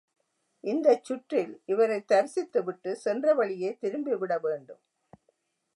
இந்தச் சுற்றில் இவரைத் தரிசித்து விட்டுச் சென்ற வழியே திரும்பிவிட வேண்டும்.